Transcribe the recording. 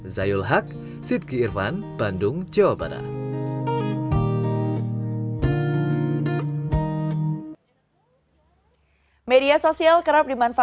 zayul haq sidki irfan bandung jawa barat